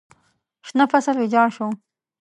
شنه فصل ویجاړ شو.